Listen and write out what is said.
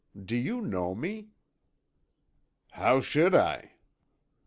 Do you know me?" "How should I?"